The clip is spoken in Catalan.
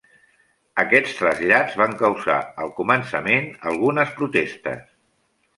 Aquests trasllats van causar, al començament, algunes protestes.